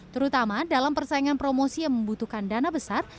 terutama dalam persaingan promosi yang membutuhkan dana besar